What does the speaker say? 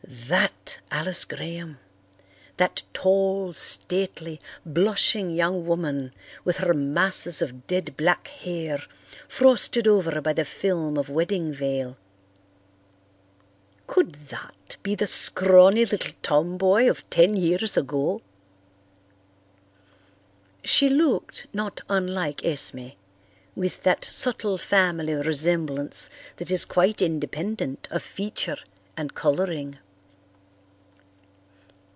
That Alice Graham, that tall, stately, blushing young woman, with her masses of dead black hair, frosted over by the film of wedding veil! Could that be the scrawny little tomboy of ten years ago? She looked not unlike Esme, with that subtle family resemblance that is quite independent of feature and colouring.